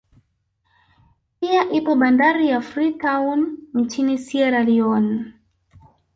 Pia ipo bandari ya Free town nchini Siera Lione